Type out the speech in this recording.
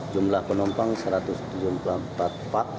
jumlah penumpang satu ratus tujuh puluh empat pak